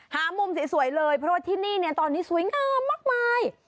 หามุมสวยเลยเพราะว่าที่นี่เนี่ยตอนนี้สวยงามมากมาย